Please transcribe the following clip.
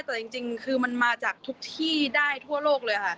แต่จริงคือมันมาจากทุกที่ได้ทั่วโลกเลยค่ะ